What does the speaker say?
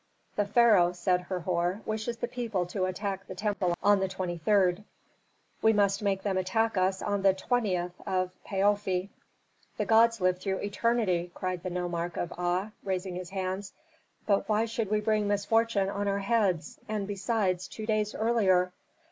"The pharaoh," said Herhor, "wishes the people to attack the temple on the 23d. We must make them attack us on the 20th of Paofi." "The gods live through eternity!" cried the nomarch of Aa, raising his hands. "But why should we bring misfortune on our heads, and besides two days earlier?"